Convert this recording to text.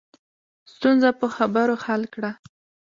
ستونزه په خبرو حل کړه